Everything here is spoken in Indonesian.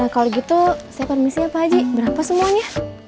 kalau gitu saya permisi ya pak haji berapa semuanya